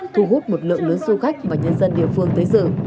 thu hút một lượng lớn du khách và nhân dân địa phương tới dự